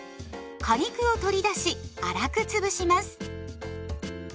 果肉を取り出し粗くつぶします。